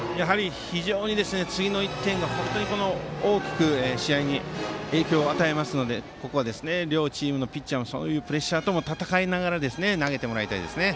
非常に次の１点が大きく試合に影響を与えますのでここは両チームのピッチャーもそういうプレッシャーと戦いながら投げてもらいたいですね。